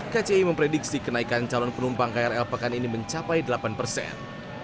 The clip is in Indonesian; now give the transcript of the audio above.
kci memprediksi kenaikan calon penumpang krl pekan ini mencapai delapan persen